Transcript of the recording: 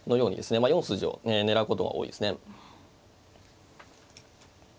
４筋を狙うことが多いですね。